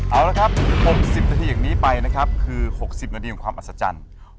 เอาละครับ๖๐นาทีอย่างนี้ไปนะครับคือ๖๐นาทีของความอัศจรรย์